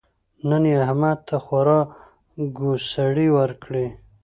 نن يې احمد ته خورا ګوسړې ورکړې.